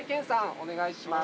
お願いします。